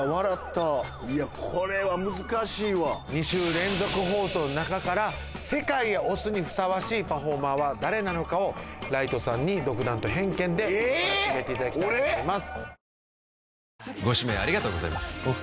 いやこれは難しいわ２週連続放送の中から世界へ推すにふさわしいパフォーマーは誰なのかをライトさんに独断と偏見で今から決めていただきたいと思います